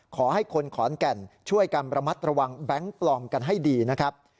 ขอให้คนขอนแก่นช่วยกันระมัดระวังแบงค์ปลอมกันให้ดีนะครับ